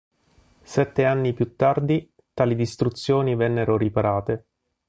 Sette anni più tardi, tali distruzioni vennero riparate.